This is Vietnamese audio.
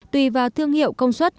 tuy vào thương hiệu công suất